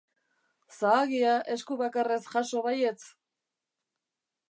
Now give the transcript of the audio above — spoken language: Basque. Zahagia esku bakarrez jaso baietz.